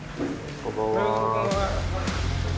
こんばんは。